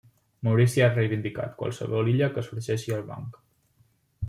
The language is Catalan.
Maurici ha reivindicat qualsevol illa que sorgeixi al banc.